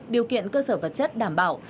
điều kiện cơ sở vật chất đảm bảo